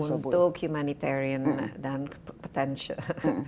untuk humanitarian dan potential